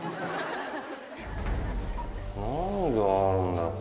何があるんだろ